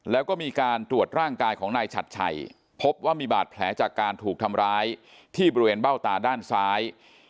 แล้วก็มีการตรวจร่างกายของนายชัดชัยพบว่ามีบาดแผลจากการถูกทำร้าย